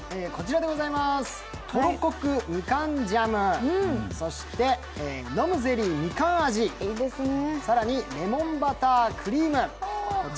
とろコクみかんジャム、そして、飲むゼリーみかん味、更に、レモンバタークリーム。